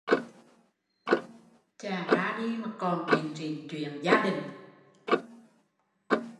Ra đi mà còn bịn rịn chuyện gia đình